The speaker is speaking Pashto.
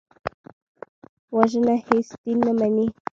وژنه هېڅ دین نه مني